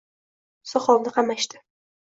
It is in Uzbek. Soqovni qamashdi